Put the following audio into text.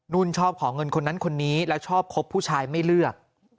ชอบขอเงินคนนั้นคนนี้แล้วชอบคบผู้ชายไม่เลือก